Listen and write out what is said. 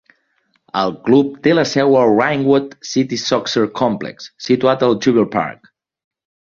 El club té la seu al Ringwood City Soccer Complex, situat al Jubilee Park.